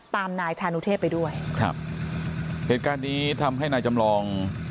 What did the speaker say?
นายชานุเทพไปด้วยครับเหตุการณ์นี้ทำให้นายจำลอง